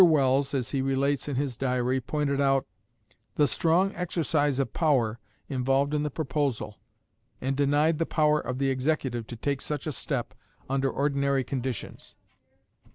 Welles, as he relates in his Diary, pointed out "the strong exercise of power" involved in the proposal, and denied the power of the Executive to take such a step under ordinary conditions.